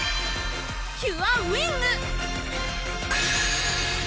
キュアウィング！